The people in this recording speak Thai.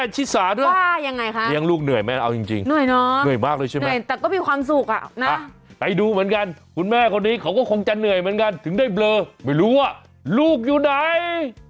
ถึงได้เบลอไม่รู้ว่าลูกอยู่ไหน